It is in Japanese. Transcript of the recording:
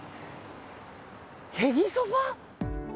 へぎそば？